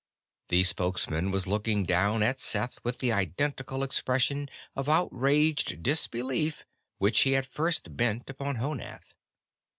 The Spokesman was looking down at Seth with the identical expression of outraged disbelief which he had first bent upon Honath.